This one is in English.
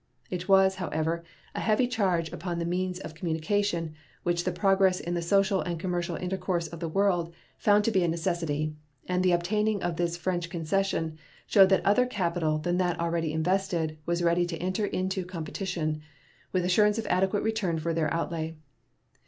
It was, however, a heavy charge upon a means of communication which the progress in the social and commercial intercourse of the world found to be a necessity, and the obtaining of this French concession showed that other capital than that already invested was ready to enter into competition, with assurance of adequate return for their outlay.